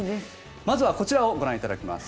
まずはこちらをご覧いただきます。